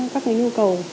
các cái nhu cầu